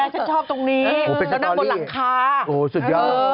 สุดยอด